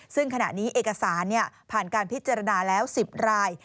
ซึ่งขณะนี้เอกสารผ่านการพิจารณาแล้ว๑๐ราย